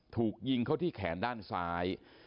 ถูกยิงเข้าที่แขนด้านซ้าย